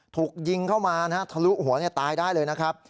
ถูกยิงเข้ามานะฮะทะลุหัวตายได้เลยนะครับ